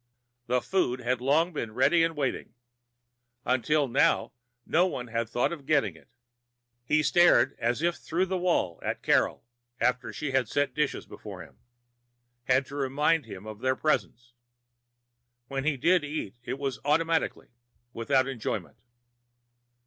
The food had long been ready and waiting. Until now, no one had thought of getting it. He stared as if through the wall and Carol, after she had set the dishes before him, had to remind him of their presence. When he did eat, it was automatically, without enjoyment.